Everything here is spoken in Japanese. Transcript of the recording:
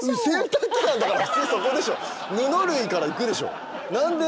布類からいくでしょ何で。